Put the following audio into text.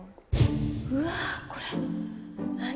うわっこれ何？